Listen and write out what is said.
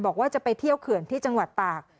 บอกว่าจะไปเที่ยวเขื่อนที่จังหวัดตาก